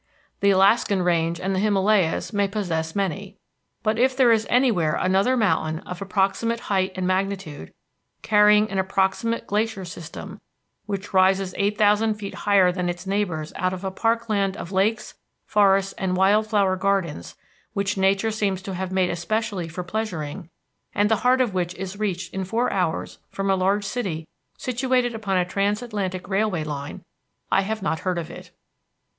The Alaskan Range and the Himalayas may possess many. But if there is anywhere another mountain of approximate height and magnitude, carrying an approximate glacier system, which rises eight thousand feet higher than its neighbors out of a parkland of lakes, forests, and wild flower gardens, which Nature seems to have made especially for pleasuring, and the heart of which is reached in four hours from a large city situated upon transatlantic railway lines, I have not heard of it.